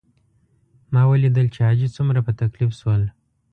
ما ولیدل چې حاجي څومره په تکلیف شول.